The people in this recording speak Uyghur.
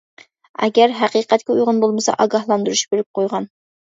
ئەگەر ھەقىقەتكە ئۇيغۇن بولمىسا ئاگاھلاندۇرۇش بېرىپ قويغان.